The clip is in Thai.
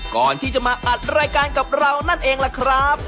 ก่อนที่จะมาอัดรายการกับเรานั่นเองล่ะครับ